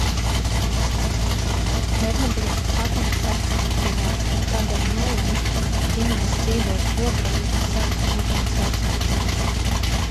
Černobiļas atomspēkstacijā, tādēļ nolemj, ka Imants dzīvos Ogrē pie savas meitenes vecākiem.